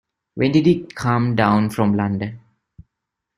When did he come down from London?